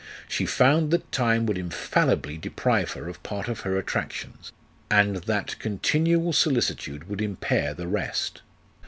She found that time would infallibly deprive her of part of her attractions, and that continual solicitude would impair the rest.